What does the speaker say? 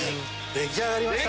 出来上がりました！